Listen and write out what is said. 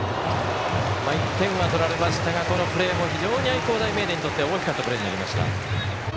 １点は取られましたがこのプレーも非常に愛工大名電にとって大きかったプレーになりました。